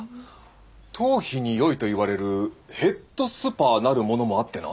頭皮によいといわれる「へっどすぱ」なるものもあってな。